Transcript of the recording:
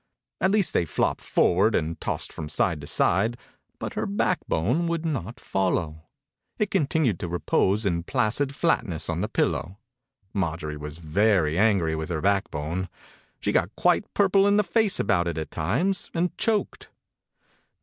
At least they flopped forward and tossed from side to side, but her backbone would not follow. It continued to repose in placid flatness on the pillow. Mar 38 THE INCUBATOR BABY jorie was very angry with her backbone. She got quite purple in the face about it at times, and choked.